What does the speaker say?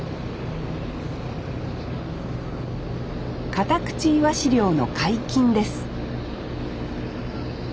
カタクチイワシ漁の解禁です